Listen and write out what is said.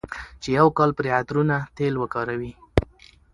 چې يو کال پرې عطرونه، تېل وکاروي،